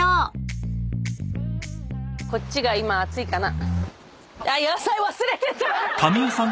こっちが今熱いかな。